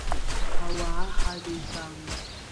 Ауаа ҳадеизалоит.